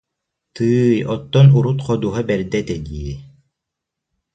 Тыый, оттон урут ходуһа бэрдэ этэ дии